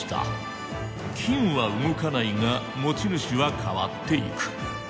金は動かないが持ち主は変わっていく。